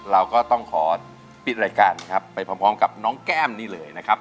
เราก็ต้องขอปิดรายการนะครับไปพร้อมกับน้องแก้มนี่เลยนะครับ